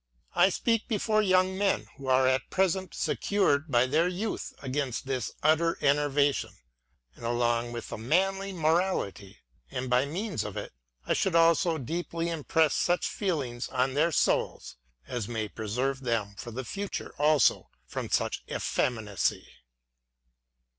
I speak before young men who are at present secured by their youth against this utter enervation; and along with a manly morality, and by means of it, I would also deeply impress such feelings on their souls, as may preserve them for the future also from such effeminacy.